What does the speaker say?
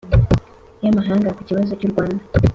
y'amahanga ku kibazo cy'u rwanda.